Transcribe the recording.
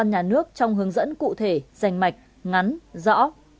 các cơ quan nhà nước trong hướng dẫn cụ thể dành mạch ngắn rõ